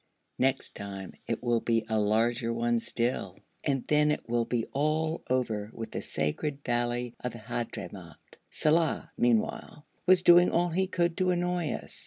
Next time it will be a larger one still, and then it will be all over with the sacred valley of the Hadhramout.' Saleh, meanwhile, was doing all he could to annoy us.